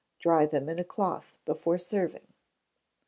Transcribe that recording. Dry them in a cloth before serving.